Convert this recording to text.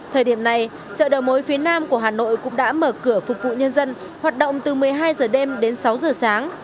thời điểm này chợ đầu mối phía nam của hà nội cũng đã mở cửa phục vụ nhân dân hoạt động từ một mươi hai h đêm đến sáu giờ sáng